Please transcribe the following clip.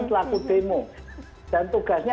pelaku demo dan tugasnya